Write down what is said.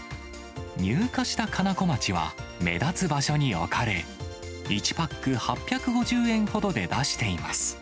入荷したかなこまちは、目立つ場所に置かれ、１パック８５０円ほどで出しています。